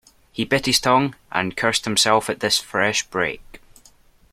He bit his tongue, and cursed himself at this fresh break.